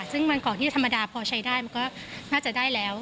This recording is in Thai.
ซึ่งวันก่อนที่จะธรรมดาพอใช้ได้มันก็น่าจะได้แล้ว